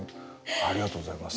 ありがとうございます。